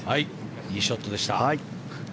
いいショットでした。